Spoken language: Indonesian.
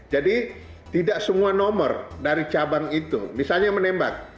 jadi tidak semua nomor dari cabang itu misalnya menembak